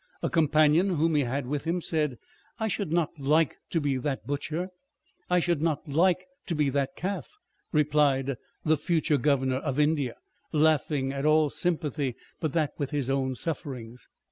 A companion whom he had with him said, " I should not like to be that butcher !" â€" " I should not like to be that calf," replied the future Governor of India, laughing at all sympathy but that with his own sufferings.